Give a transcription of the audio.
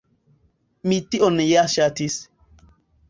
Mi tion ja ŝatis.